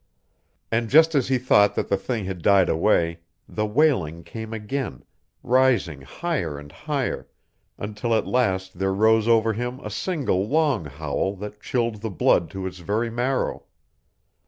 And just as he thought that the thing had died away, the wailing came again, rising higher and higher, until at last there rose over him a single long howl that chilled the blood to his very marrow.